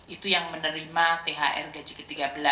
itu yang menerima thr gaji ke tiga belas